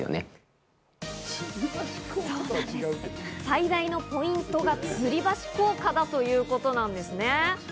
最大のポイントがつり橋効果だということなんですね。